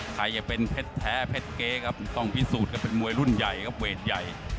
ใครจะเป็นเพชรแท้เพชรเก๊ครับต้องพิสูจน์ครับเป็นมวยรุ่นใหญ่ครับเวทใหญ่